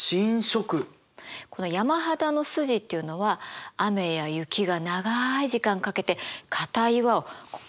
この山肌の筋っていうのは雨や雪が長い時間かけてかたい岩を削ってできるの。